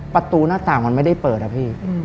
ประตูหน้าต่างมันไม่ได้เปิดอะพี่